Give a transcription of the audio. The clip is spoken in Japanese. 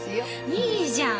いいじゃん。